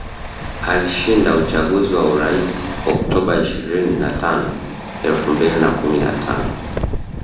Alishinda uchaguzi wa urais Oktoba ishirini na tano elfu mbili na kumi na tano